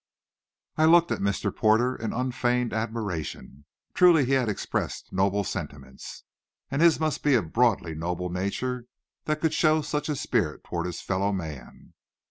I looked at Mr. Porter in unfeigned admiration. Truly he had expressed noble sentiments, and his must be a broadly noble nature that could show such a spirit toward his fellow man.